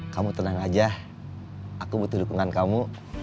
kalian tenang aku butuh dukungan kamu